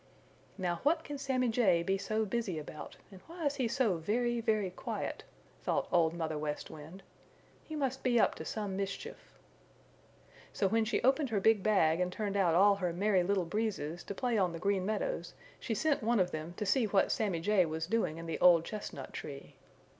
"Now what can Sammy Jay be so busy about, and why is he so very, very quiet?" thought Old Mother West Wind. "He must be up to some mischief." So when she opened her big bag and turned out all her Merry Little Breezes to play on the Green Meadows she sent one of them to see what Sammy Jay was doing in the old chestnut tree.